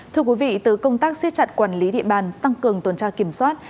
thưa quý vị từ công tác xiết chặt quản lý địa bàn tăng cường tuần tra kiểm soát